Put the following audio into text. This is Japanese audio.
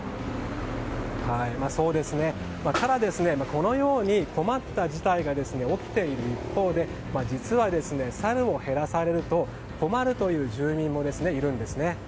ただ、このように困った事態が起きている一方で実は、サルを減らされると困るという住民もいるんですね。